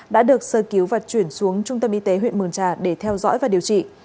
đã được sơ cứu và chuyển xuống trung tâm y tế huyện mường trà để theo dõi và điều trị